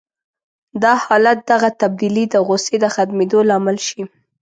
د حالت دغه تبديلي د غوسې د ختمېدو لامل شي.